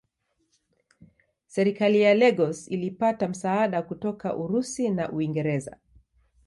Serikali ya Lagos ilipata msaada kutoka Urusi na Uingereza.